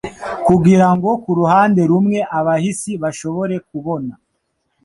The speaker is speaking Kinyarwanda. kugirango kuruhande rumwe abahisi bashobore kubona